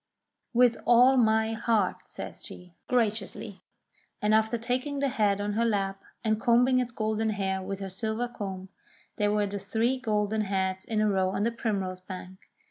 "With all my heart," says she, graciously, and after taking the head on her lap, and combing its golden hair with her silver comb, there were the three golden heads in a row on the primrose bank.